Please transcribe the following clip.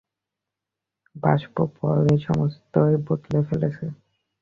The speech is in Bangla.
বাষ্পবল এ সমস্তই বদলে ফেলেছে।